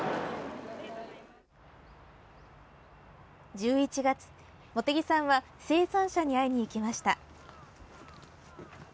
１１月、茂木さんは生産者に会いに行きました。